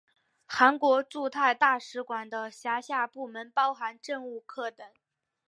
韩国驻泰大使馆的辖下部门包含政务课等。